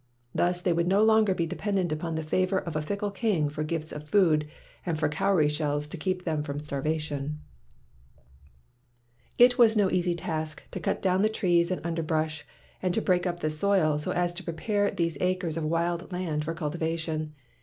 Thus they would no longer be de pendent upon the favor of a fickle king for gifts of food and for cowry shells to keep them from starvation. It was no easy task to cut down the trees and underbrush and to break up the soil, so as to prepare these acres of wild land for cultivation.